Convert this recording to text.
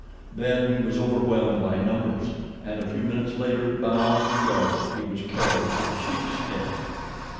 Then he was overwhelmed by numbers, and a few minutes later, bound and guarded, he was carried to The Sheik's tent.